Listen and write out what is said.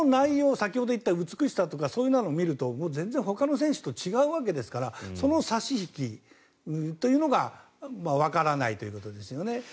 先ほど言った美しさとかそういうのを見ると全然ほかの選手と違うわけですからその差し引きというのがわからないということですよね。